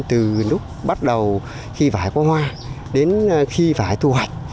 từ lúc bắt đầu khi vải có hoa đến khi phải thu hoạch